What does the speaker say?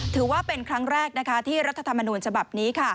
ถือว่าเป็นครั้งแรกที่รัฐธรรมนูญฉบับนี้